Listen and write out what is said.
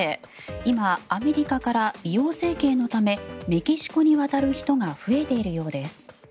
今、アメリカから美容整形のためメキシコに渡る人が増えているようです。